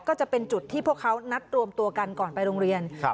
ก็จะเป็นจุดที่พวกเขานัดรวมตัวกันก่อนไปโรงเรียนครับ